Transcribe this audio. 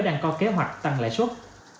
đang có kế hoạch tăng lãi suất